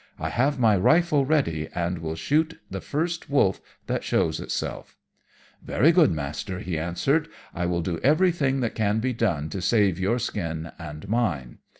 I have my rifle ready, and will shoot the first wolf that shows itself.' "'Very good, master,' he answered. 'I will do everything that can be done to save your skin and mine.'